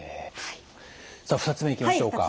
さあ２つ目にいきましょうか。